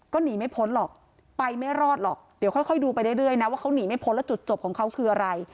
ก็หนีไม่พ้นหรอกไปไม่รอดหรอกเดี๋ยวค่อยดูไปเรื่อยนะว่าเขาหนีไม่พ้นแล้วจุดจบของเขาคืออะไร